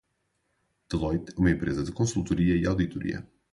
Deloitte é uma empresa de consultoria e auditoria.